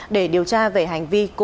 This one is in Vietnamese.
để điều tra về hành vi cố ý